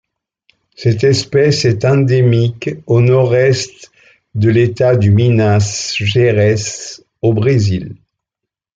Cette espèce est endémique au nord-est de l'État du Minas Gerais au Brésil.